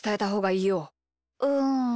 うん。